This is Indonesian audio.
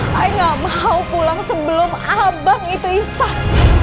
saya gak mau pulang sebelum abang itu imsah